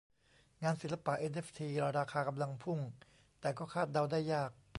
งานศิลปะเอ็นเอฟทีราคากำลังพุ่ง แต่ก็คาดเดาได้ยาก